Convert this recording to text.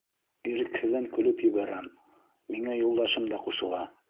Ирекһеҙҙән көлөп ебәрәм, миңә юлдашым да ҡушыла.